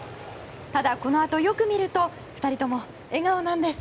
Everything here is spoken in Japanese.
ただ、このあとよく見ると２人とも笑顔なんです